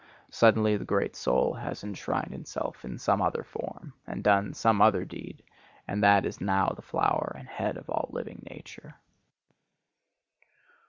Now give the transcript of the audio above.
suddenly the great soul has enshrined itself in some other form and done some other deed, and that is now the flower and head of all living nature.